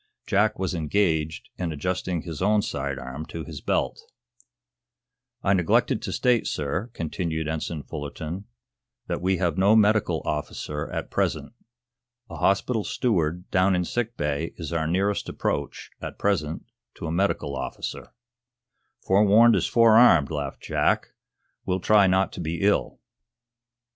Jack was engaged in adjusting his own side arm to his belt. "I neglected to state, sir," continued Ensign Fullerton, "that we have no medical officer at present. A hospital steward down in sick bay is our nearest approach, at present, to a medical officer." "Forewarned is forearmed," laughed Jack. "We'll try not to be ill."